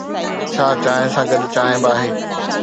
ڇا چانهه سان گڏ چانهه به آهي؟